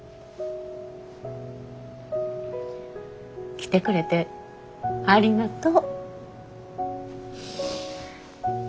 来てくれてありがとう。